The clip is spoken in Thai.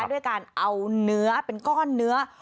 ด้วยการเอาเนื้อเป็นก้อนเนื้อ